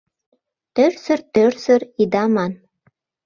Тӧрсыр-тӧрсыр ида ман.